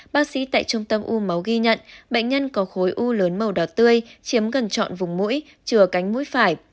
bác sĩ tại trung tâm u máu ghi nhận bệnh nhân có khối u lớn màu đỏ tươi chiếm gần trọn vùng mũi trừa cánh mũi phải